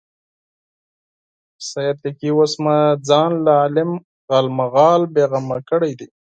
سید لیکي اوس مې ځان له عالم غالمغال بېغمه کړی دی.